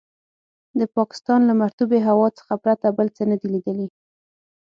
د پاکستان له مرطوبې هوا څخه پرته بل څه نه دي لیدلي.